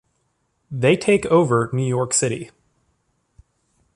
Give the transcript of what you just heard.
They take over New York City.